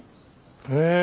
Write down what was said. へえ。